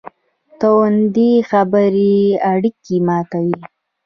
توندې خبرې اړیکې ماتوي.